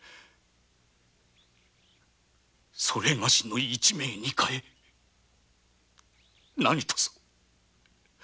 それがしの一命にかえなにとぞ。